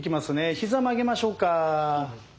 膝曲げましょうか？